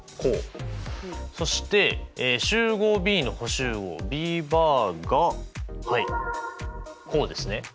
そして集合Ｂの補集合Ｂバーがはいこうですね。